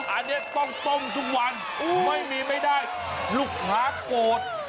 อันนี้ต้องต้มทุกวันไม่มีไม่ได้ลูกค้าโกรธ